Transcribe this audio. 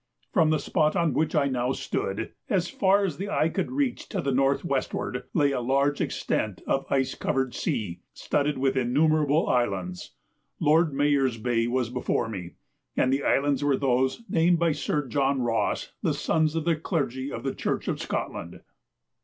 From the spot on which I now stood, as far as the eye could reach to the north westward, lay a large extent of ice covered sea, studded with innumerable islands. Lord Mayor's Bay was before me, and the islands were those named by Sir John Ross the Sons of the Clergy of the Church of Scotland.